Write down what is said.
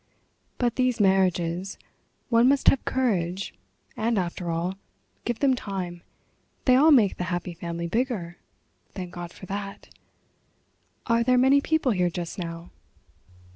"But these marriages—one must have courage; and after all, give them time, they all make the happy family bigger—thank God for that.... Are there many people here just now?"